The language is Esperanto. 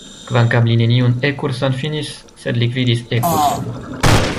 Kvankam li neniun E-kurson finis, sed li gvidis E-kurson.